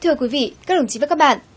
thưa quý vị các đồng chí và các bạn